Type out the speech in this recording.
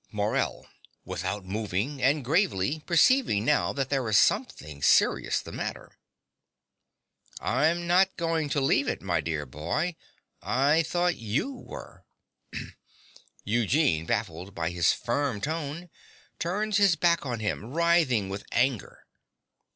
MORELL (without moving, and gravely, perceiving now that there is something serious the matter). I'm not going to leave it, my dear boy: I thought YOU were. (Eugene, baffled by his firm tone, turns his back on him, writhing with anger.